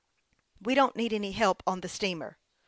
" We don't need any help on the steamer."